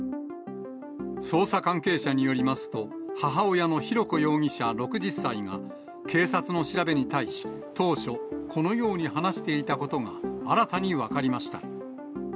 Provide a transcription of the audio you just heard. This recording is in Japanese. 捜査関係者によりますと、母親の浩子容疑者６０歳が、警察の調べに対し、当初、このように話していたことが新たに分かりました。